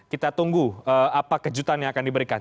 kita tunggu apa kejutan yang akan diberikan